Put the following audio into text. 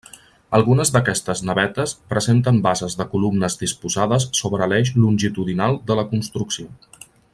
Algunes d'aquestes navetes presenten bases de columnes disposades sobre l'eix longitudinal de la construcció.